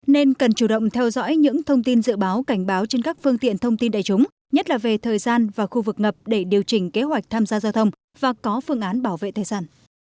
nên cần chủ động theo dõi những thông tin dự báo cảnh báo trên các phương tiện thông tin đại chúng nhất là về thời gian và khu vực ngập để điều chỉnh kế hoạch tham gia giao thông và có phương án bảo vệ tài sản